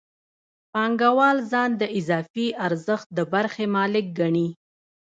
پانګوال ځان د اضافي ارزښت د برخې مالک ګڼي